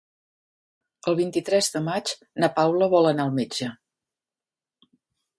El vint-i-tres de maig na Paula vol anar al metge.